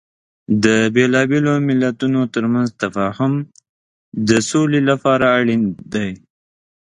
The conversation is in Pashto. د بیلابیلو مليتونو ترمنځ تفاهم د سولې لپاره اړین دی.